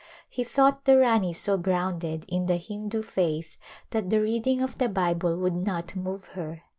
He thought the Rani so grounded in the Hindu faith that the reading of the Bible would not move her.